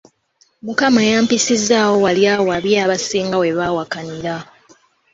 Mukama yampisizzaawo wali awabi abasinga we baawakanira.